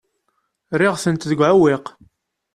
Rriɣ-tent deg uɛewwiq.